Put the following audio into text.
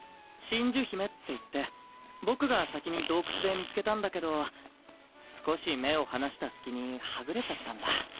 真珠姫っていって僕が先に洞窟で見つけたんだけど少し目を離した隙にはぐれちゃったんだ。